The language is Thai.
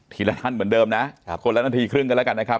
ละท่านเหมือนเดิมนะคนละนาทีครึ่งกันแล้วกันนะครับ